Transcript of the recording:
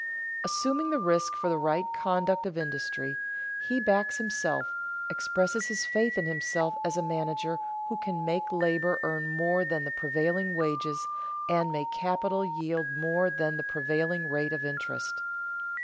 _ Assuming the risk for the right conduct of industry, he backs himself, expresses his faith in himself as a manager who can make labor earn more than the prevailing wages and make capital yield more than the prevailing rate of interest.